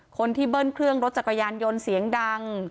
เบิ้ลเครื่องรถจักรยานยนต์เสียงดัง